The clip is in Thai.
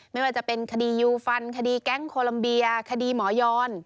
ไม่ว่าจะเป็นคดียูฟันคดีแก๊งโคลัมเบียคดีหมอยอน